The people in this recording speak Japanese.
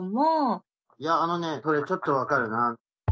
いやあのねそれちょっと分かるな。